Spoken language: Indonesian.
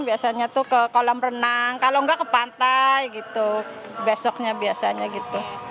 biasanya tuh ke kolam renang kalau nggak ke pantai gitu besoknya biasanya gitu